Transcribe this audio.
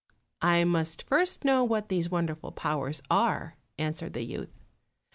"I must first know what these wonderful powers are," answered the youth.